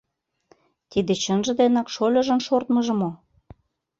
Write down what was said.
Тиде чынже денак шольыжын шортмыжо мо?